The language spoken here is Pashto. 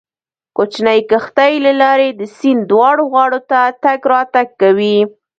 کوچنۍ کښتۍ له لارې د سیند دواړو غاړو ته تګ راتګ کوي